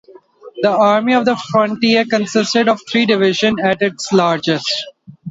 The Army of the Frontier consisted of three divisions at its largest.